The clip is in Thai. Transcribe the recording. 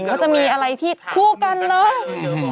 เขาจะมีอะไรที่คู่กันเนอะ